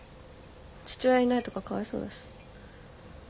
父親いないとかかわいそうだし。